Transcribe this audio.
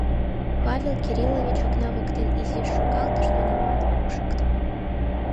Павел Кириллович окна воктен изиш шогалтыш, но нимат ок шокто.